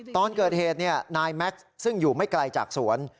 ตอนเกิดเหตุนายแม็กซ์ซึ่งอยู่ไม่ไกลจากสวน